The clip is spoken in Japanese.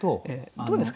どうですか？